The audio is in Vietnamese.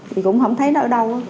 thì cũng không thấy nó ở đâu